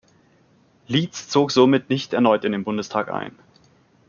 Lietz zog somit nicht erneut in den Bundestag ein.